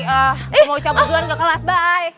ah mau cabut doang gak kelas bye